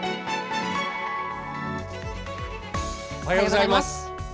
「おはようございます」。